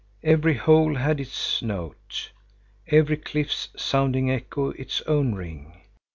Every hole had its note, every cliff's sounding echo its own ring.